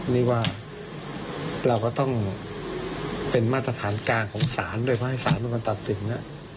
นี่ว่าเราก็ต้องเป็นมาตรฐานกลางของศาลด้วยเพราะให้ศาลเป็นคนตัดสินนะ